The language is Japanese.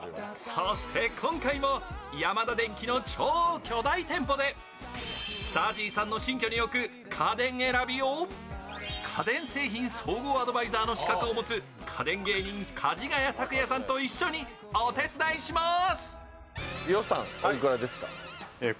そして今回もヤマダデンキの超巨大店舗でＺＡＺＹさんの新居に置く家電選びを家電芸人、かじがや卓哉さんと一緒にお手伝いします。